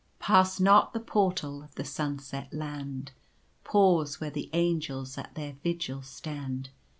" Pass not the Portal of the Sunset Land ! Pause where the Angels at their vigil stand.